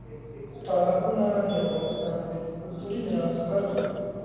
تالابونه د افغانستان د کلتوري میراث برخه ده.